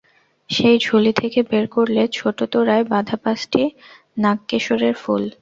সেই ঝুলি থেকে বের করলে ছোটো তোড়ায় বাঁধা পাঁচটি নাগকেশরের ফুল।